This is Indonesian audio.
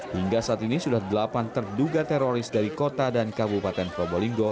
hingga saat ini sudah delapan terduga teroris dari kota dan kabupaten probolinggo